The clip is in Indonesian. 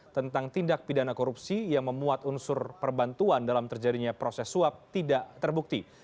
tentang tindak pidana korupsi yang memuat unsur perbantuan dalam terjadinya proses suap tidak terbukti